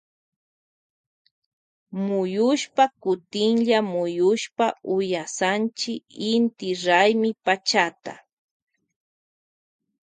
Muyushpa kutinlla muyushpa uyansanchi inti raymi pachata.